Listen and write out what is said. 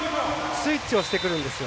スイッチをしてくるんですよ。